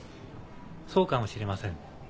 そうかもしれません。